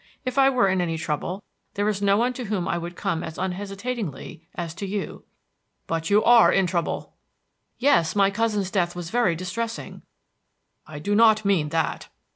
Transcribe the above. If I were in any trouble, there is no one to whom I would come as unhesitatingly as to you." "But you are in trouble." "Yes, my cousin's death was very distressing." "I do not mean that." Mr.